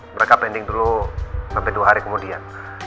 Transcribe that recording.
mereka pending dulu sampai dua hari kemudian